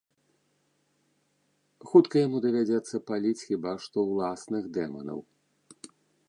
Хутка яму давядзецца паліць хіба што ўласных дэманаў.